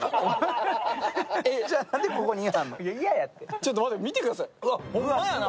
ちょっと待って、見てください。